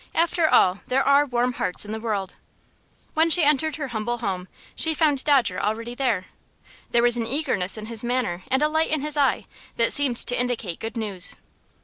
"After all, there are warm hearts in the world." When she entered her humble home, she found Dodger already there. There was an eagerness in his manner, and a light in his eye, that seemed to indicate good news.